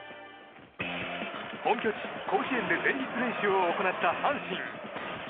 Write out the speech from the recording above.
本拠地・甲子園で前日練習を行った阪神。